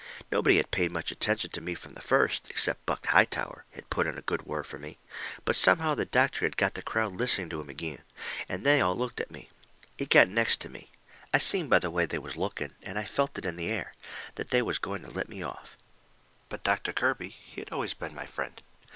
Nobody had paid much attention to me from the first, except Buck Hightower had put in a good word fur me. But somehow the doctor had got the crowd listening to him agin, and they all looked at me. It got next to me. I seen by the way they was looking, and I felt it in the air, that they was going to let me off. But Doctor Kirby, he had always been my friend.